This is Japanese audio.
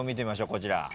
こちら。